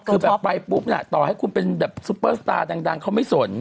คือแบบไปปุ๊บน่ะต่อให้คุณเป็นแบบซุปเปอร์สตาร์ดังเขาไม่สน